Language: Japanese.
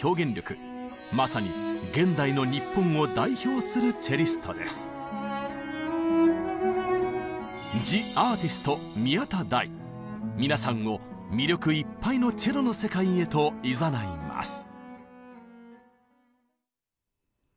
まさに現代の皆さんを魅力いっぱいのチェロの世界へといざないます。